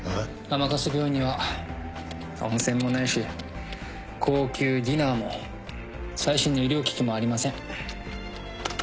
甘春病院には温泉もないし高級ディナーも最新の医療機器もありません。